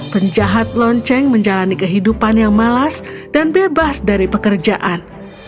penjahat lonceng menjalani kehidupan yang malas dan bebas dari pekerjaan